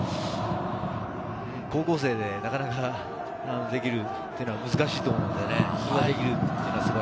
高校生でなかなかできるのは難しいと思うので。